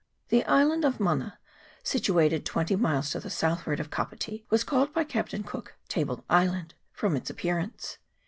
The island of Mana, situated twenty miles to the southward of Kapiti, was called by Captain Cook Table Island, from its appearance.